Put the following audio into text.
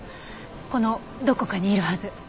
このどこかにいるはず。